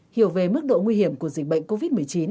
hiểu về mức độ nguy hiểm của dịch bệnh covid một mươi chín